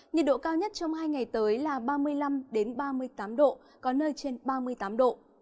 nhiệt độ cao nhất trong hai ngày tới là ba mươi năm ba mươi tám độ có nơi trên ba mươi tám độ